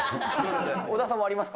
小田さんもありますか。